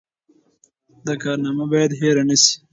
دا کارنامه باید هېره نه سي.